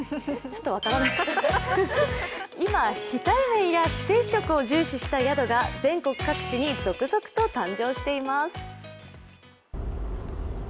今、非対面や非接触を重視した宿が全国各地に続々と誕生しています。